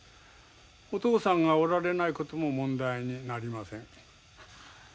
お父さんがおられないことも問題になりません。